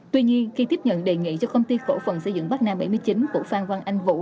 tuy nhiên khi tiếp nhận đề nghị cho công ty cổ phần xây dựng bắc nam bảy mươi chín của phan văn anh vũ